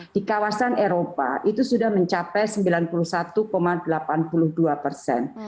di kawasan eropa itu sudah mencapai sembilan puluh satu delapan puluh dua persen